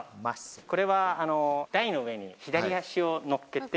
これは台の上に左足を乗っけて。